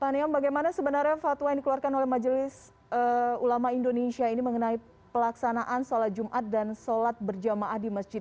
pak niam bagaimana sebenarnya fatwa yang dikeluarkan oleh majelis ulama indonesia ini mengenai pelaksanaan sholat jumat dan sholat berjamaah di masjid